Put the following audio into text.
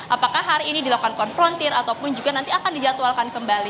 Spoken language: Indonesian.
apakah hari ini dilakukan konfrontir ataupun juga nanti akan dijadwalkan kembali